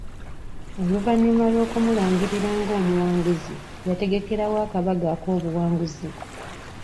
Oluvannyuma lw'okumulangirira ng'omuwanguzi, yategekerawo akabaga ak'obuwanguzi.